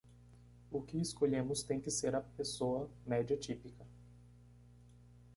O que escolhemos tem que ser a pessoa média típica.